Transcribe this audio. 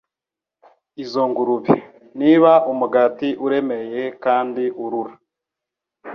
izo ngurube. Niba umugati uremereye kandi urura